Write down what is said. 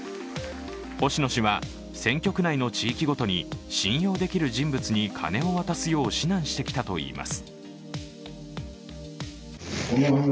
星野氏は選挙区内の地域ごとに信用できる人物に金を渡すよう指南してきたといいます。